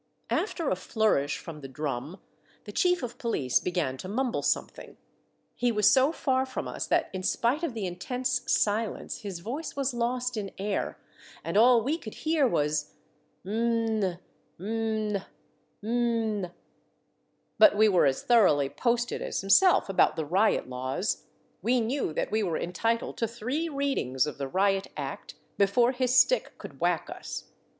After a flourish from the drum, the chief of police began to mumble something. He was so The Third Reading. 225 far from us that in spite of the intense silence his voice was lost in air, and all we could hear was —Mn — mil — mil —" But we were as thoroughly posted as himself about the riot laws. We knew that we were en titled to three readings of the Riot Act before his stick could whack us.